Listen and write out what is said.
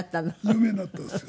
有名になったんですよ。